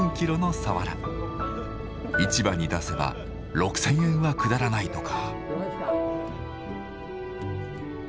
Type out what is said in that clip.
市場に出せば６，０００円はくだらないとか。